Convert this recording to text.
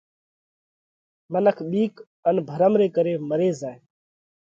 منک ٻِيڪ ان ڀرم ري ڪري مري زائه۔